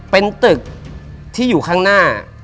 เป็นตึกที่อยู่ข้างหน้า